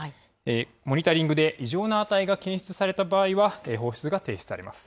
モニタリングで異常な値が検出された場合は、放出が停止されます。